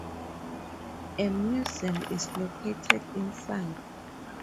A museum is located inside.